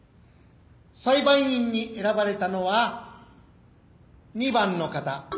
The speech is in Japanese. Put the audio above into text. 裁判員に選ばれたのは２番の方。